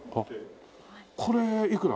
これいくら？